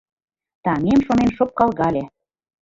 Таҥем шонен шопкалгале.